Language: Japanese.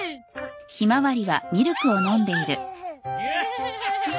ハハハハ！